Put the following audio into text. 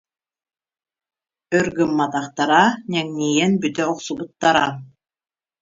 Өр гымматахтара, ньэҥнийэн бүтэ охсубуттара